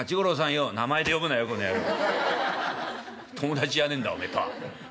友達じゃねんだおめえとは。